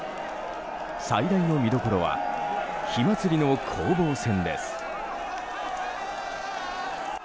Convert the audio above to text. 最大の見どころは火祭りの攻防戦です。